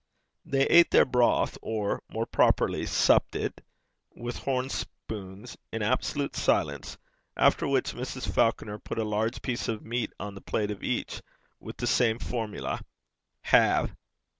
They ate their broth, or, more properly, supped it, with horn spoons, in absolute silence; after which Mrs. Falconer put a large piece of meat on the plate of each, with the same formula: 'Hae.